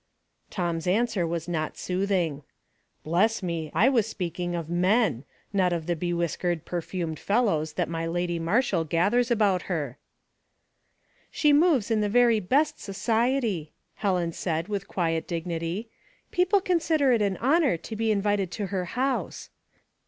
Tom's answer was not soothing. " Bless me ! I was speaking of men^ not of the be whiskered, perfumed fellows that my lady Marshall gathers about her." " She moves in the very best society," Helen 51 52 Household Puzzles, said, with quiet dignity. " People consider it an honor to be invited to her house."